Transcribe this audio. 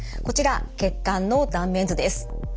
こちら血管の断面図です。